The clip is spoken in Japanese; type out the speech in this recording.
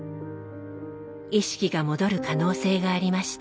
意識が戻る可能性がありました。